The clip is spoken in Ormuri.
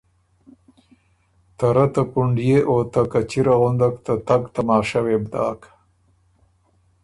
ته رۀ ته پُنډئے او ته کچِره غندک ته تګ تماشۀ وې بو داک۔